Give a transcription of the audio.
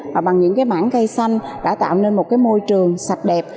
mà bằng những cái mảng cây xanh đã tạo nên một cái môi trường sạch đẹp